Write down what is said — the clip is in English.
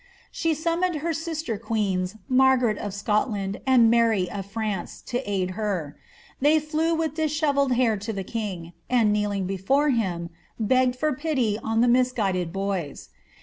She summoned her sister queens, Margaret of Sotlaod, and Mary of France, to aid her ; they flew with dishevelled hair to the king, and, kneeling before him, begged for pity on the misguided boys.